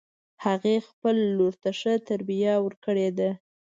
هغې خپل لور ته ښه تربیه ورکړې ده